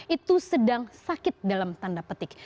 itu sedang sakit dalam tanda petik